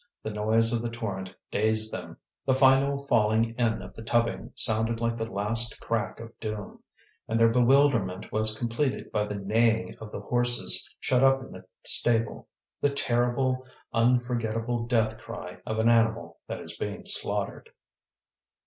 The noise of the torrent dazed them, the final falling in of the tubbing sounded like the last crack of doom; and their bewilderment was completed by the neighing of the horses shut up in the stable, the terrible, unforgettable death cry of an animal that is being slaughtered.